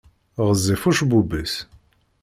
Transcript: Ɣezzif ucebbub-is.